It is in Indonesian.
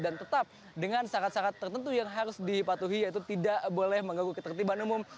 dan tetap dengan syarat syarat tertentu yang harus dipatuhi yaitu tidak boleh mengaguk ketertiban umum